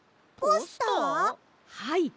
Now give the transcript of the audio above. はい。